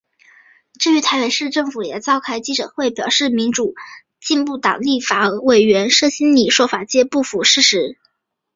至于台北市政府也召开记者会表示民主进步党立法委员谢欣霓说法皆不符事实。